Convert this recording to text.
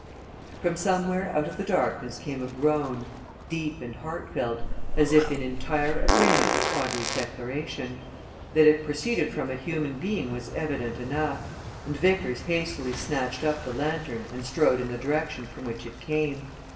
From somewhere out of the darkness came a groan deep and heartfelt, as if in entire agreement with Audrey's declaration. That it proceeded from a human being was evident enough, and Vickers hastily snatched up the lanthorn and strode in the direction from which it came.